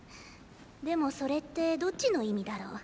でもそれってどっちの意味だろ？